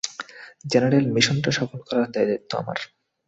General, মিশনটা সফল করার দায়-দায়িত্ব আমার!